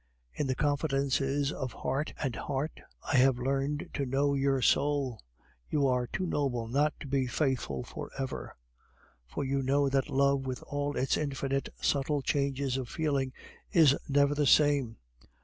In the confidences of heart and heart, I have learned to know your soul you are too noble not to be faithful for ever, for you know that love with all its infinite subtle changes of feeling is never the same.